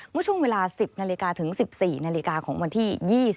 เมื่อช่วงเวลา๑๐นาฬิกาถึง๑๔นาฬิกาของวันที่๒๔